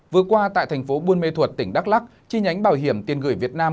vừa qua tại thành phố buôn mê thuật tỉnh đắk lắc chi nhánh bảo hiểm tiền gửi việt nam